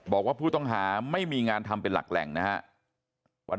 บอกว่าผู้ต้องหาไม่มีงานทำเป็นหลักแหล่งนะครับ